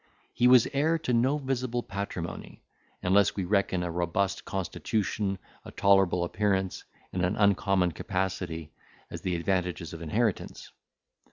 He was heir to no visible patrimony, unless we reckon a robust constitution, a tolerable appearance, and an uncommon capacity, as the advantages of inheritance.